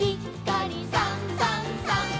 「さんさんさん」